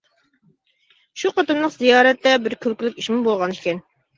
شۇ قېتىملىق زىيارەتتە بىر كۈلكىلىك ئىشمۇ بولغان ئىكەن.